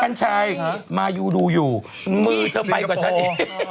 กัญชัยมายูดูอยู่มือเธอไปกว่าฉันเอง